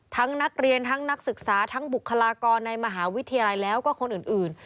นักเรียนทั้งนักศึกษาทั้งบุคลากรในมหาวิทยาลัยแล้วก็คนอื่น